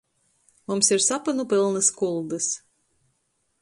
Mums ir sapynu pylnys kuldys.